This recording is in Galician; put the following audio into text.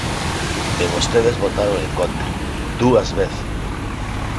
E vostedes votaron en contra, ¡dúas veces!